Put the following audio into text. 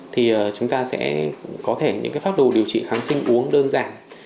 thì chúng ta sẽ có thể những phác đồ điều trị kháng sinh uống đơn giản